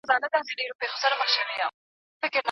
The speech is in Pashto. روښانه فکر مو د ژوند په سم لوري روان ساتي.